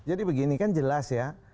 jadi begini kan jelas ya